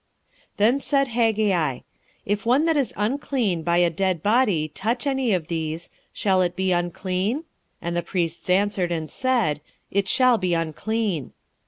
2:13 Then said Haggai, If one that is unclean by a dead body touch any of these, shall it be unclean? And the priests answered and said, It shall be unclean.